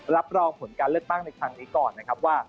รับรองผลการเลือกตั้งในครั้งนี้ก่อนนะครับว่า